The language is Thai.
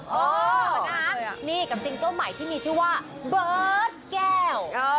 เออนี่กับจริงเก้าใหม่ที่มีชื่อว่าเบิร์ดแก้วเออ